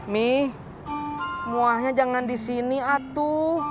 mie muahnya jangan di sini atu